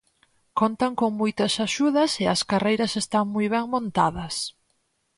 Contan con moitas axudas e as carreiras están moi ben montadas.